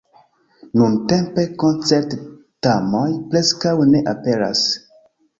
Nuntempe koncert-tamoj preskaŭ ne aperas.